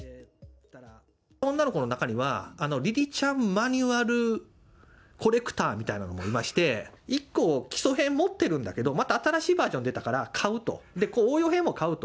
女の子の中には、りりちゃんマニュアルコレクターみたいなのもいまして、一個、基礎編持ってるんだけど、また新しいバージョン出たから買うと、応用編も買うと。